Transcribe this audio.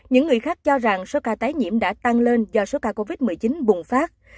những người khác cho rằng số ca tái nhiễm đã tăng lên do số ca covid một mươi chín bùng phát